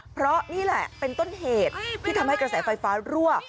เพราะนี่แหละเป็นต้นเหตุที่ทำให้กระแสไฟฟ้ารั่ว